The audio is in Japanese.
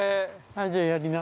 ◆じゃあ、やりな。